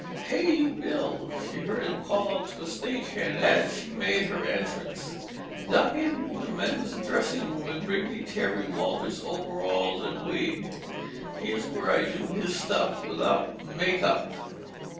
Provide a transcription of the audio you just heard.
"Hey, you, Bill!" she heard him call to a stage hand, as she made her entrance. "Duck into the men's dressing room and bring me Terry Walters' overalls and wig. Here's where I do his stuff without a makeup!"